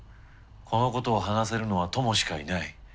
このことを話せるのはトモしかいない。